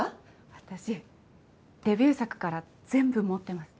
私デビュー作から全部持ってます。